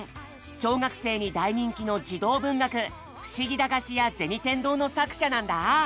小学生に大人気の児童文学「ふしぎ駄菓子屋銭天堂」の作者なんだ。